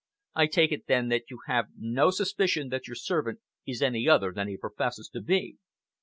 I take it then that you have no suspicion that your servant is any other than he professes to be?"